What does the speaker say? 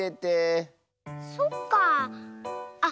そっかあ。